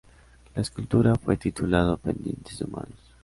La escultura fue titulado Pendientes Humanos.